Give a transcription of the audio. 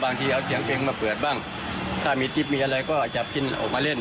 บางทีเอาเสียงเพลงมาเปิดบ้างถ้ามีคลิปมีอะไรก็จะกินออกมาเล่น